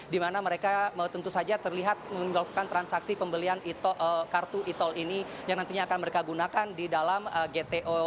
di mana mereka tentu saja terlihat melakukan transaksi pembelian kartu e tol ini yang nantinya akan mereka gunakan di dalam gto